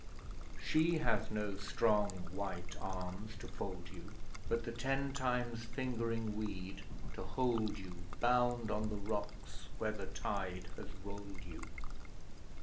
She has no strong white arms to fold you, But the ten times fingering weed to hold you Bound on the rocks where the tide has rolled you.